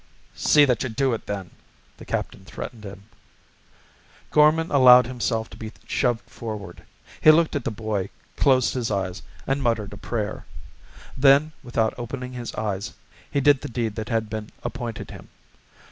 "See that you do it, then," the captain threatened him. Gorman allowed himself to be shoved forward. He looked at the boy, closed his eyes, and muttered a prayer. Then, without opening his eyes, he did the deed that had been appointed him.